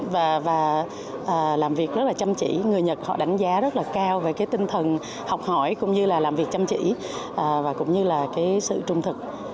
và làm việc rất là chăm chỉ người nhật họ đánh giá rất là cao về cái tinh thần học hỏi cũng như là làm việc chăm chỉ và cũng như là cái sự trung thực